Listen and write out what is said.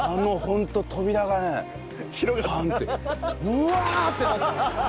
「うわ！」ってなって。